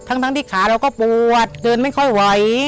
ทั้งที่ขาเราก็ปวดเกินไม่ค่อยไหว